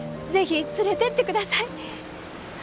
是非連れてってください。